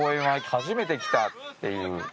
初めて来た」っていう。